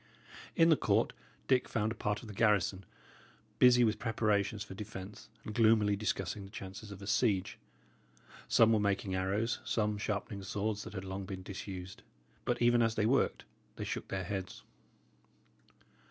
In the court, Dick found a part of the garrison, busy with preparations for defence, and gloomily discussing the chances of a siege. Some were making arrows, some sharpening swords that had long been disused; but even as they worked, they shook their heads.